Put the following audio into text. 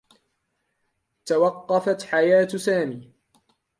توقّفت حياة سامي.